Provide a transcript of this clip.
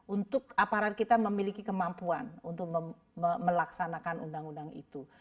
untuk aparat kita memiliki kemampuan untuk melaksanakan undang undang itu